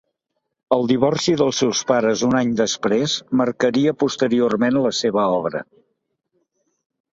El divorci dels seus pares un any després marcaria posteriorment la seva obra.